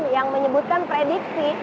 yang menyebutkan prediksi